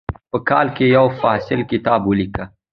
په کال کې یو مفصل کتاب ولیکه.